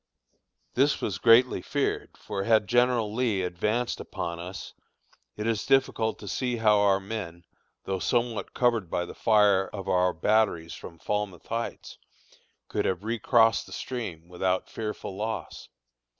This was greatly feared, for had General Lee advanced upon us, it is difficult to see how our men, though somewhat covered by the fire of our batteries from Falmouth Heights, could have recrossed the stream without fearful loss.